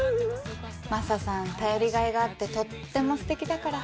マサさん頼りがいがあってとってもすてきだから。